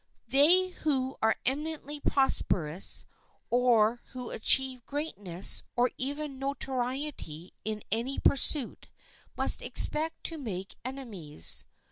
They who are eminently prosperous, or who achieve greatness or even notoriety in any pursuit, must expect to make enemies.